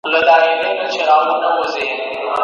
په عمر د پښتو ژبي یو شاعر